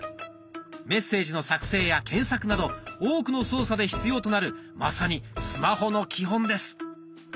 メッセージの作成や検索など多くの操作で必要となるまさにスマホの基本です。